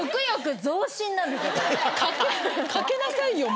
かけなさいよ